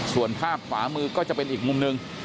ส่วนภาพขวามือก็จะเป็นอีกมุมหนึ่ง